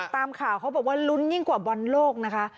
ตามข่าวเขาบอกว่าลุ้นยิ่งกว่าบอลโลกนะคะ